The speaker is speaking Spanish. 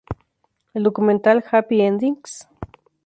El documental "Happy Endings?